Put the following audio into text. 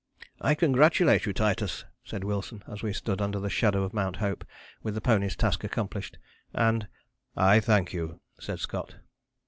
"I congratulate you, Titus," said Wilson, as we stood under the shadow of Mount Hope, with the ponies' task accomplished, and "I thank you," said Scott.